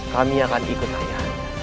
kami akan ikut ayahanda